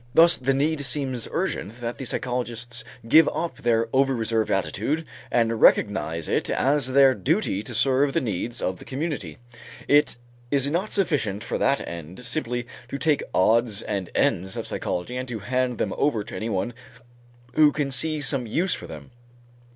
Thus the need seems urgent that the psychologists give up their over reserved attitude and recognize it as their duty to serve the needs of the community. It is not sufficient for that end, simply to take odds and ends of psychology and to hand them over to anyone who can see some use for them.